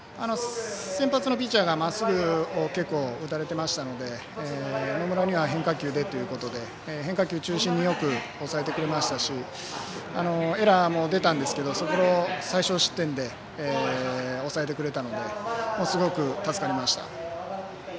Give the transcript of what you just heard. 先発のピッチャーがまっすぐを結構打たれていましたので野村には変化球でということで変化球中心によく抑えてくれましたしエラーも出たんですけどそこも最少失点で抑えてくれたのですごく助かりました。